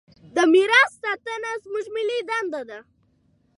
د میراث ساتنه زموږ ملي دنده ده.